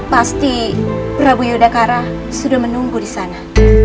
pasti prabu yudhakara sudah menunggu di sana